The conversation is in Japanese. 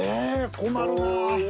困るな。